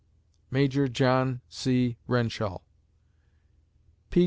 MAJOR JOHN C. WRENSHALL _P.